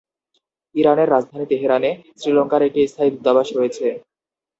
ইরানের রাজধানী তেহরানে, শ্রীলঙ্কার একটি স্থায়ী দূতাবাস রয়েছে।